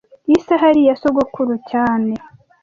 Iyi saha yari iya sogokuru cyane